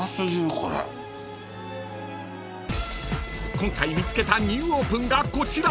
［今回見つけたニューオープンがこちら］